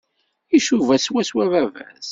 Icuba swaswa baba-s.